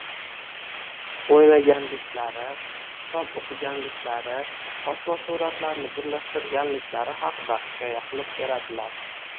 – o‘ynaganliklari, kitob o‘qiganliklari, sochma suratlarni birlashtirganliklari haqida hikoya qilib beradilar